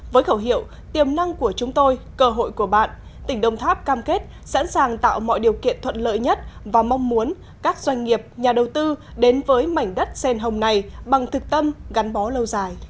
với khẩu hiệu tiềm năng của chúng tôi cơ hội của bạn tỉnh đồng tháp cam kết sẵn sàng tạo mọi điều kiện thuận lợi nhất và mong muốn các doanh nghiệp nhà đầu tư đến với mảnh đất sen hồng này bằng thực tâm gắn bó lâu dài